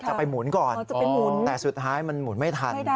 จะไปหมุนก่อนแต่สุดท้ายมันหมุนไม่ทัน